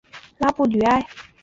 拉布吕埃。